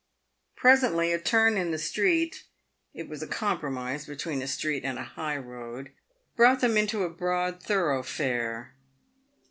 Presently a turn in the street (it was a compromise between a street and a high road) brought them into a broad thoroughfare.